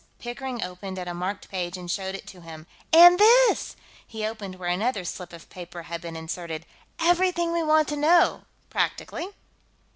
Pickering opened at a marked page and showed it to him. "And this!" He opened where another slip of paper had been inserted. "Everything we want to know, practically."